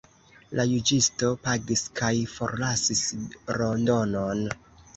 La juĝisto pagis kaj forlasis Londonon.